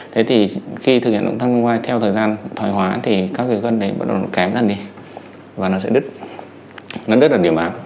thế thì khi thực hiện động thăng nâng vai theo thời gian thoải hóa thì các gân đấy bắt đầu kém lần đi và nó sẽ đứt nó đứt ở điểm áp